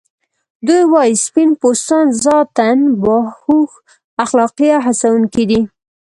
دوی وايي سپین پوستان ذاتاً باهوښ، اخلاقی او هڅونکي دي.